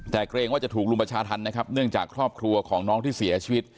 แต่เกรงว่าจะถูกรุมประชาธรรมนะครับเนื่องจากครอบครัวของน้องที่เสียชีวิต